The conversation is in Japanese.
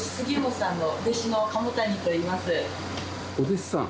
私、お弟子さん？